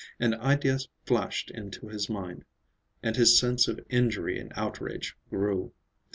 An idea flashed into his mind, and his sense of injury and outrage grew.